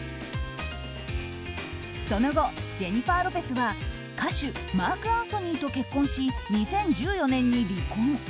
その後、ジェニファー・ロペスは歌手マーク・アンソニーと結婚し２０１４年に離婚。